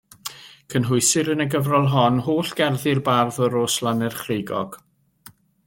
Cynhwysir yn y gyfrol hon holl gerddi'r bardd o Rosllannerchrugog.